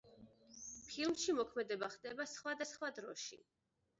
ფილმში მოქმედება ხდება სხვადასხვა დროში.